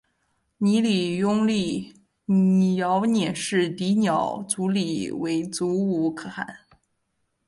泥礼拥立遥辇氏迪辇组里为阻午可汗。